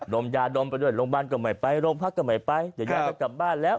ลมยาลลงมาก็ไม่ไปลงพักก็ไม่ไปเดี๋ยวย่าจะกลับบ้านแล้ว